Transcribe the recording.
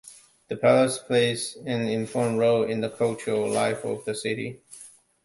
The Palace plays an important role in the cultural life of the city.